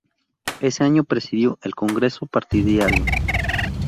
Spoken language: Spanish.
Ese año presidió el Congreso partidario.